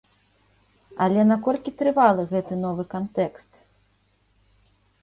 Але наколькі трывалы гэты новы кантэкст?